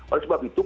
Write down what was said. oleh sebab itu